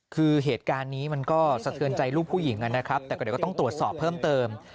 คือเหตุการณ์นี้มันก็สะเทือนใจลูกผู้หญิงนะครับแต่ก็เดี๋ยวก็ต้องตรวจสอบเพิ่มเติม